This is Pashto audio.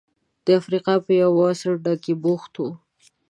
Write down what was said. د افریقا په یوه څنډه کې بوخت و.